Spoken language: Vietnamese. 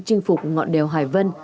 chinh phục ngọn đèo hải vân